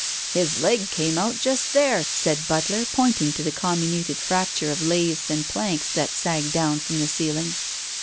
"His leg came out just there," said Butler, pointing to the comminuted fracture of laths and planks that sagged down from the ceiling.